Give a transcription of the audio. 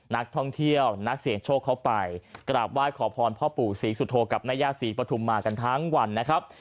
นักท่องเที่ยวนักเสี่ยงโชคเขาไปกราบไหว้ขอพรพ่อปู่ศรีสุโธกับแม่ย่าศรีปฐุมมากันทั้งวันนะครับ